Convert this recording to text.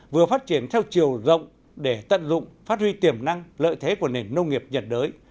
vừa phát triển theo chiều rộng để tận dụng phát huy tiềm năng lợi thế của nền nông nghiệp nhật đới